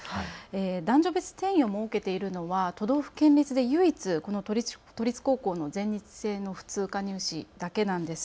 男女別定員を設けているのは、都道府県立で唯一、都立高校の全日制の普通科入試だけなんです。